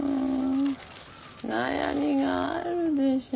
悩みがあるでしょう？